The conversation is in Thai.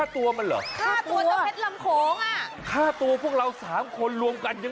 ถ้ำร่าง